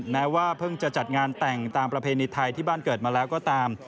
แม้ว่าเพิ่งจะจัดงานแต่งตามประเพณีไทยที่บ้านเกิดมาแล้วก็ตาม